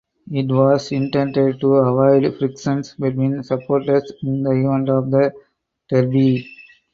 It was intended to avoid friction between supporters in the event of the derby.